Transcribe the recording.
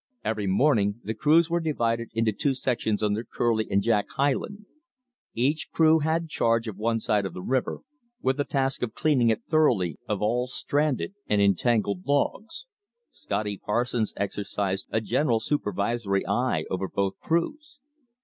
Every morning the crews were divided into two sections under Kerlie and Jack Hyland. Each crew had charge of one side of the river, with the task of cleaning it thoroughly of all stranded and entangled logs. Scotty Parsons exercised a general supervisory eye over both crews.